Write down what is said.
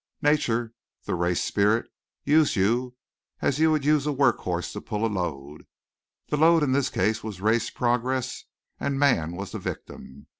Nature, the race spirit, used you as you would use a work horse to pull a load. The load in this case was race progress and man was the victim.